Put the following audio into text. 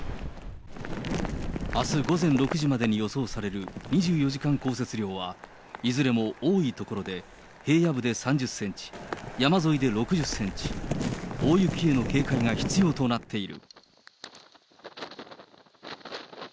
あす午前６時までに予想される２４時間降雪量はいずれも多い所で平野部で３０センチ、山沿いで６０センチ、大雪への警戒が必要となっている。